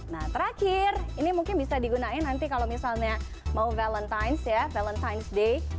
nah terakhir ini mungkin bisa digunain nanti kalau misalnya mau valentine's ya valentine's day